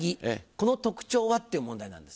この特徴は？」っていう問題なんですが。